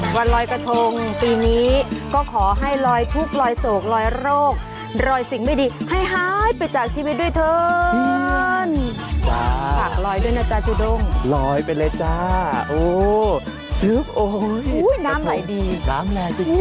วันลอยกระทงปีนี้ก็ขอให้ลอยทุกข์ลอยโศกลอยโรคลอยสิ่งไม่ดีให้หายไปจากชีวิตด้วยเถิน